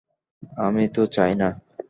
আমি তো চাই না।